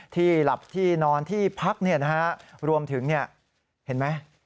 หลับที่นอนที่พักรวมถึงเห็นไหม